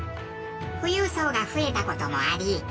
富裕層が増えた事もあり